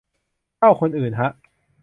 เช่าคนอื่นฮะ